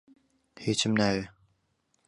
هیچم ناوێ.